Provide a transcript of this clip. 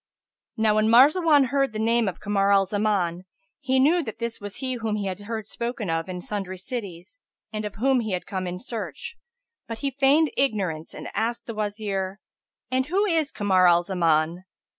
Now when Marzawan heard the name of Kamar al Zaman, he knew that this was he whom he had heard spoken of in sundry cities and of whom he came in search, but he feigned ignorance and asked the Wazir, "And who is Kamar al Zaman?